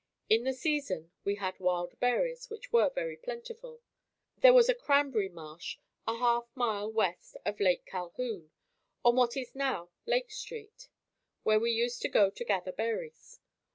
In the season, we had wild berries which were very plentiful. There was a cranberry marsh a half mile west of Lake Calhoun, on what is now Lake Street, where we used to go to gather berries.